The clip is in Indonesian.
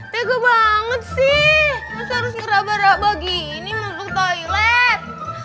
tego banget sih masa harus ngerabah rabah gini masuk toilet